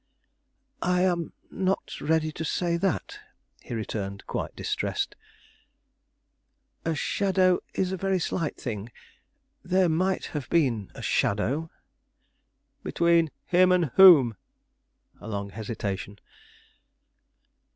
"I am not ready to say that," he returned, quite distressed. "A shadow is a very slight thing. There might have been a shadow " "Between him and whom?" A long hesitation.